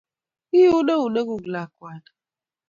Iun enuneguk lakwani